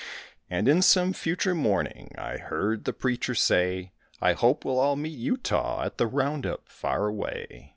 "And in some future morning," I heard the preacher say, "I hope we'll all meet Utah at the round up far away."